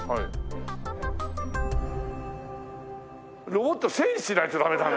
ロボット整理しないとダメだね。